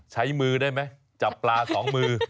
ใช้มือได้ไหมจับปลาสองมือ